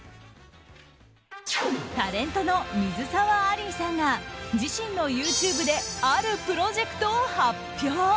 タレントの水沢アリーさんが自身のＹｏｕＴｕｂｅであるプロジェクトを発表。